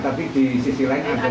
tapi di sisi lain ada juga sayatan